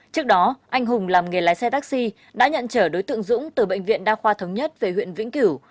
trước đó anh hùng làm nghề lái xe taxi đã nhận trở đối tượng dũng từ bệnh viện đa khoa thống nhất về huyện vĩnh cửu